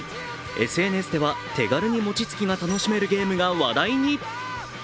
ＳＮＳｈでは手軽に餅つきが楽しめるゲームが話題に。